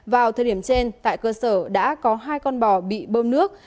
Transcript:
vào thời điểm trên tại cơ sở đã có hai con bò bị bơm nước